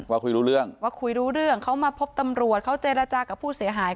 คุยรู้เรื่องว่าคุยรู้เรื่องเขามาพบตำรวจเขาเจรจากับผู้เสียหาย